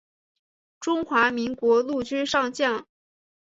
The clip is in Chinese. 中华民国陆军上将。